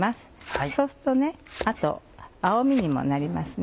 そうすると青みにもなりますね。